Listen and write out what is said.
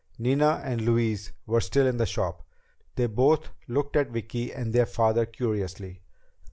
Nina and Louise were still in the shop. They both looked at Vicki and their father curiously.